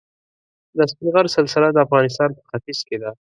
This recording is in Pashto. د سپین غر سلسله د افغانستان په ختیځ کې ده.